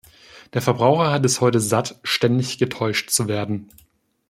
Der Verbraucher hat es heute satt, ständig getäuscht zu werden.